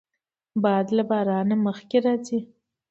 باد له باران مخکې راځي